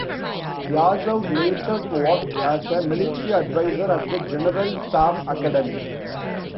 Yazov later worked as a military adviser at the General Staff Academy.